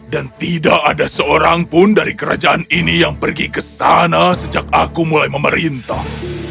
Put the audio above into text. dan tidak ada seorang pun dari kerajaan ini yang pergi ke sana sejak aku mulai memerintah